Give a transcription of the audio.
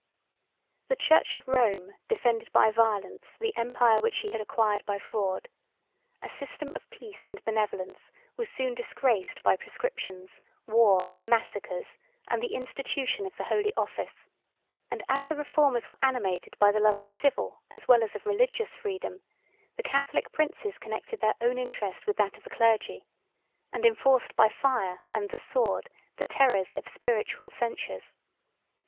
The church of Rome defended by violence the empire which she had acquired by fraud; a system of peace and benevolence was soon disgraced by proscriptions, war, massacres, and the institution of the holy office. And as the reformers were animated by the love of civil as well as of religious freedom, the Catholic princes connected their own interest with that of the clergy, and enforced by fire and the sword the terrors of spiritual censures.